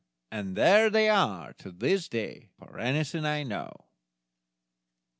And there they are to this day, for anything I know.